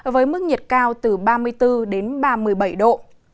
với mức nhiệt cao từ ba mươi bốn đến ba mươi bảy độ